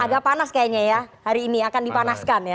agak panas kayaknya ya hari ini akan dipanaskan ya